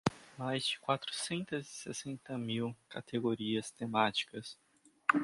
Mais de quatrocentos e sessenta mil categorias temáticas.